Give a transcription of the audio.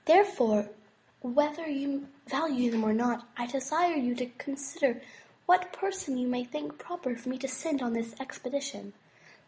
Therefore, whether you value them or not, I desire you to consider what person you may think proper for me to send on this expedition."